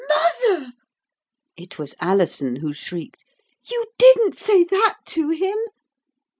'Mother!' it was Alison who shrieked. 'You didn't say that to him?'